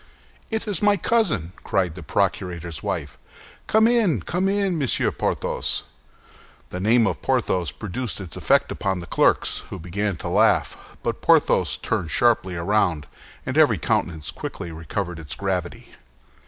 "It is my cousin!" cried the procurator's wife. "Come in, come in, Monsieur Porthos!" The name of Porthos produced its effect upon the clerks, who began to laugh; but Porthos turned sharply round, and every countenance quickly recovered its gravity.